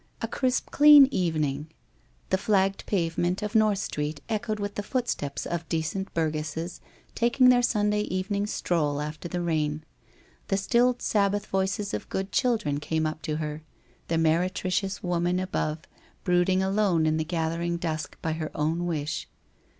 A crisp clean evening ! The flagged pavement of North Street echoed with the foot steps of decent burgesses, taking their Sunday evening's stroll after the rain. The stilled Sabbath voices of good children came up to her — the meretricious woman above, brooding alone in the gathering dusk by her own wish.